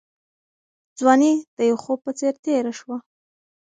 ځواني د یو خوب په څېر تېره شوه.